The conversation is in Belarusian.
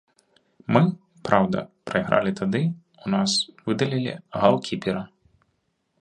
Мы, праўда, прайгралі тады, у нас выдалілі галкіпера.